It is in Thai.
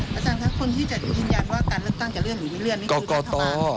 อาจารย์ค่ะคนที่จะอินยานว่าการเลือกตั้งจะเลื่อนหรือไม่เลื่อน